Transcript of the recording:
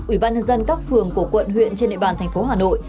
ủy ban nhân dân các phường của quận huyện trên địa bàn tp hà nội